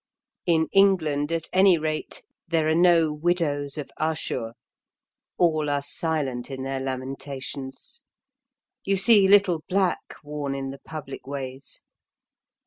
In England, at any rate, there are no widows of Ashur. All are silent in their lamentations. You see little black worn in the public ways.